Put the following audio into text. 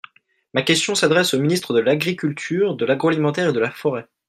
Ma question s’adresse au ministre de l’agriculture, de l’agroalimentaire et de la forêt.